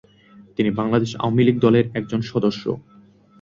তিনি বাংলাদেশ আওয়ামী লীগের দলের একজন সদস্য।